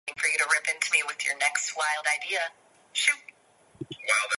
Microcode level support was available for null terminated character strings.